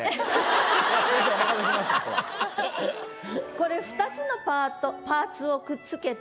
これ２つのパーツをくっつけた。